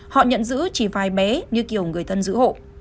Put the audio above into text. họ nhận giữ chỉ vài bé như kiểu người thân giữ hộ